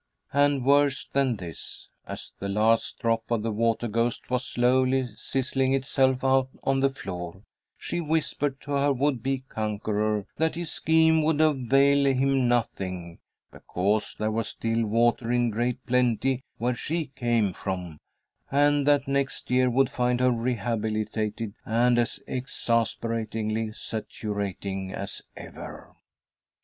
And worse than this, as the last drop of the water ghost was slowly sizzling itself out on the floor, she whispered to her would be conqueror that his scheme would avail him nothing, because there was still water in great plenty where she came from, and that next year would find her rehabilitated and as exasperatingly saturating as ever.